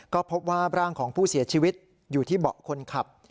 ก็พบว่าร่างของผู้เสียชีวิตอยู่ที่เบาะคนขับ